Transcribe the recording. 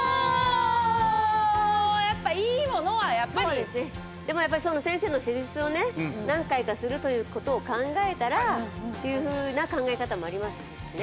でもやっぱり先生の施術をね何回かするという事を考えたらっていうふうな考え方もありますしね。